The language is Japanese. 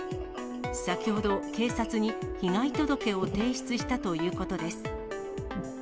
先ほど警察に被害届を提出したということです。